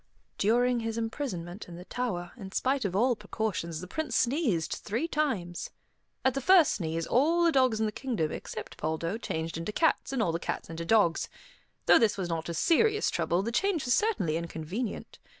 During his imprisonment in the tower, in spite of all precautions, the Prince sneezed three times. At the first sneeze, all the dogs in the kingdom except Poldo changed into cats, and all the cats into dogs. Though this was not a serious trouble, the change was certainly inconvenient.